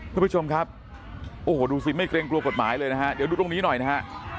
คุณผู้ชมครับโอ้โหดูสิไม่เกรงกลัวกฎหมายเลยนะฮะเดี๋ยวดูตรงนี้หน่อยนะฮะ